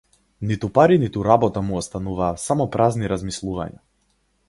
Ниту пари ниту работа му остануваа само празни размислувања.